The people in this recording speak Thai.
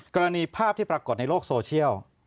กรณีภาพที่ปรากฏในโลกโซเชียล